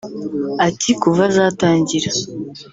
Ati "Kuva zatangira